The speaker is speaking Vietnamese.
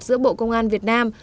giữa bộ công an việt nam